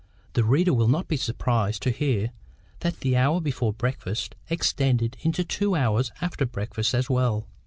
The reader will not be surprised to hear that the hour before breakfast extended into two hours after breakfast as well.